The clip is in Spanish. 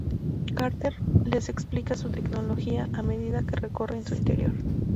Carter les explica su tecnología, a medida que recorren su interior.